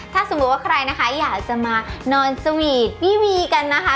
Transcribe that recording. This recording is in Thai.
ถ้าสมมุติว่าใครนะคะอยากจะมานอนสวีทวีวีกันนะคะ